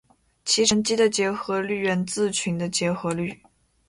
其乘积的结合律源自群的结合律。